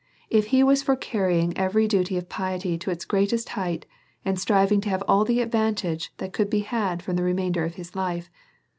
If he was for carrying every duty of piety to its greatest height, and striving to have all the advantage that could be had from the remainder of his hfe.